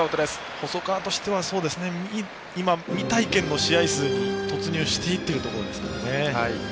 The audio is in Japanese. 細川としては今は未体験の試合数に突入していっているところですからね。